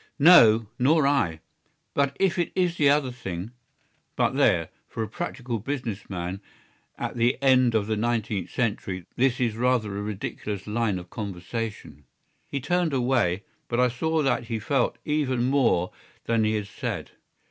"No, nor I. But if it is the other thing—but there, for a practical business man at the end of the nineteenth century this is rather a ridiculous line of conversation." He turned away, but I saw that he felt even more than he had said.